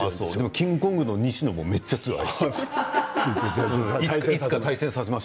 キングコングの西野もめっちゃ強い。